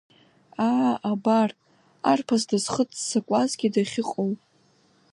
Аа абар, арԥыс дызхыццакуазгьы дахьыҟоу!